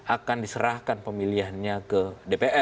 akan diserahkan pemilihannya ke dpr ke depannya